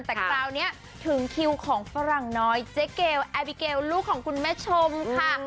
แต่คราวนี้ถึงคิวของฝรั่งน้อยเจ๊เกลแอบิเกลลูกของคุณแม่ชมค่ะ